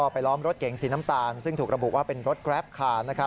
ล้อมรถเก๋งสีน้ำตาลซึ่งถูกระบุว่าเป็นรถแกรปคาร์